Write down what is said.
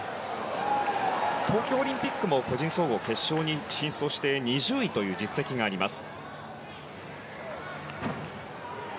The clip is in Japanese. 東京オリンピックも個人総合決勝に進出をして２０位という実績があります。